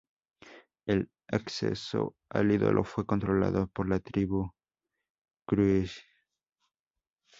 El acceso al ídolo fue controlado por la tribu Quraysh.